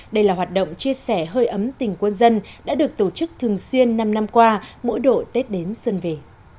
đây là hoạt động chia sẻ hơi ấm tình quân dân đã được tổ chức thường xuyên năm năm qua mỗi độ tết đến xuân về